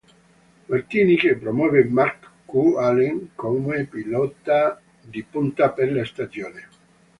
Martini che promuove Markku Alén come pilota di punta per la stagione.